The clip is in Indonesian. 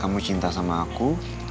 kamu cinta sama aku